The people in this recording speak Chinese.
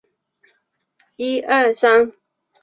中华抱茎蓼为蓼科蓼属下的一个变种。